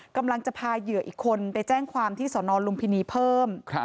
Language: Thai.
กำลังจะพาเหยื่ออีกคนไปแจ้งความที่สอนอนลุมพินีเพิ่ม